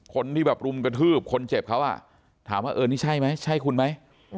คนที่แบบรุมกระทืบคนเจ็บเขาอ่ะถามว่าเออนี่ใช่ไหมใช่คุณไหม